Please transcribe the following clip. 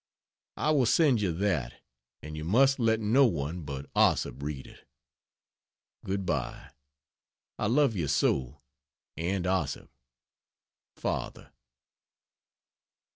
I will send you that and you must let no one but Ossip read it. Good bye. I love you so! And Ossip. FATHER.